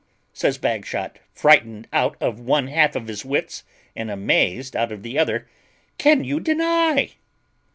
"How!" says Bagshot, frightened out of one half of his wits, and amazed out of the other, "can you deny?"